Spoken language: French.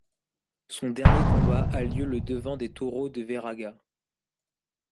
Son dernier combat a lieu le devant des taureaux de Veragua.